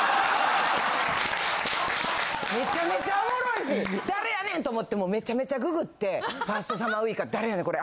めちゃめちゃおもろいし誰やねんと思ってもうめちゃめちゃググってファーストサマーウイカ誰やねんこれ？